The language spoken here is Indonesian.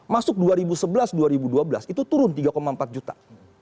masuk dua ribu sebelas dua ribu dua belas itu turun tiga empat juta